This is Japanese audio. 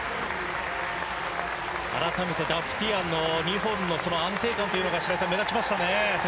改めて、ダフティアンの２本の安定感が白井さん、目立ちましたね。